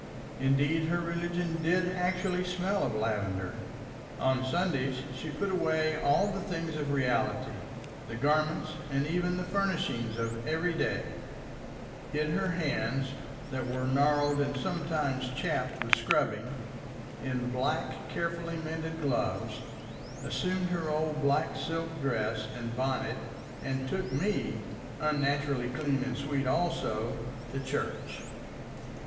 Indeed, her religion did actually smell of lavender; on Sundays she put away all the things of reality, the garments and even the furnishings of everyday, hid her hands, that were gnarled and sometimes chapped with scrubbing, in black, carefully mended gloves, assumed her old black silk dress and bonnet and took me, unnaturally clean and sweet also, to church.